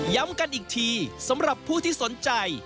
ย้ำกันอีกทีสำหรับผู้ที่สนใจ